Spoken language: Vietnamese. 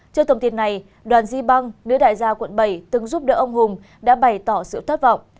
trước thông tin này đoàn di bang nữ đại gia quận bảy từng giúp đỡ ông hùng đã bày tỏ sự thất vọng